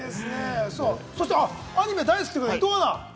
アニメ大好きということで伊藤アナ。